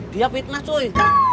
dia fitnah cuy